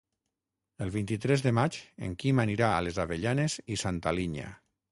El vint-i-tres de maig en Quim anirà a les Avellanes i Santa Linya.